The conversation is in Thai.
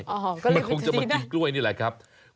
อ๋อก็เรียกวิธีดีนะมันคงจะมากินกล้วยนี่แหละครับอ๋อก็เรียกวิธีดีนะ